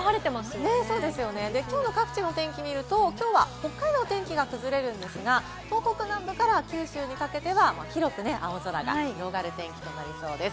きょうの各地の天気を見ると、きょうは北海道は天気が崩れるんですが、東北南部から九州にかけては広く青空が広がる天気となりそうです。